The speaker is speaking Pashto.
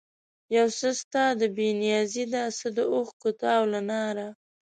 یو څه ستا د بې نیازي ده، څه د اوښکو تاو له ناره